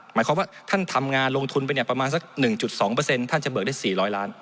หมายความว่าท่านทำงานลงทุนไปเนี่ยประมาณสัก๑๒ท่านจะเบิกได้๔๐๐ล้าน